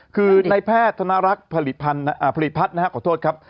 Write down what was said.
คือในแพทย์ธนรักผลิตพัฒน์ขอโทษครับ